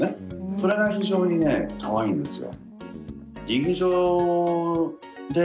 それが非常にかわいいんですよ。